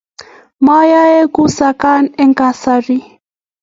moayei kusakan eng kasari